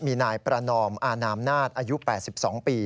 มีนายประนอมอานามนาฏอายุ๘๒ปี